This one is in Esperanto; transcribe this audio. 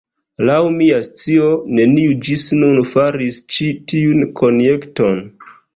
Laŭ mia scio, neniu ĝis nun faris ĉi tiun konjekton.